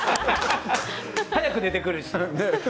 早く出てくるしね。